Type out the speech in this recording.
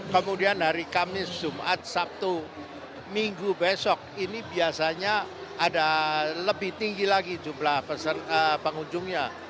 kemudian hari kamis jumat sabtu minggu besok ini biasanya ada lebih tinggi lagi jumlah pengunjungnya